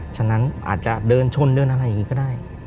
ฉะนั้นอาจจะเดินชนเดินอะไรอย่างนี้ก็ได้